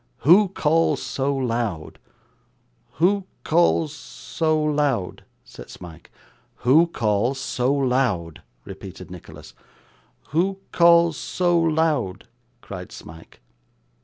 Who calls so loud?' '"Who calls so loud?"' said Smike. '"Who calls so loud?"' repeated Nicholas. '"Who calls so loud?"' cried Smike.